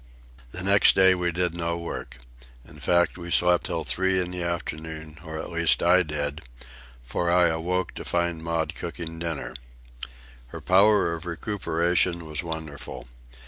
The next day we did no work. In fact, we slept till three in the afternoon, or at least I did, for I awoke to find Maud cooking dinner. Her power of recuperation was wonderful.